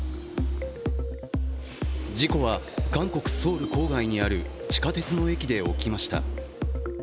事故は韓国ソウル郊外にある地下鉄の駅で起きました。